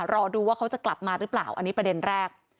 รอดูว่าเขาจะกลับมาหรือเปล่าอันนี้ประเด็นแรก